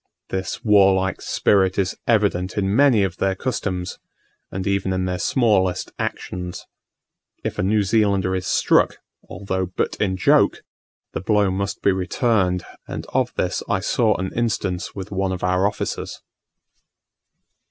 This warlike spirit is evident in many of their customs, and even in their smallest actions. If a New Zealander is struck, although but in joke, the blow must be returned and of this I saw an instance with one of our officers.